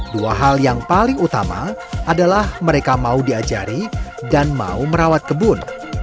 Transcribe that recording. dua hal yang paling utama adalah mereka mau diajari dan mau merawat kebun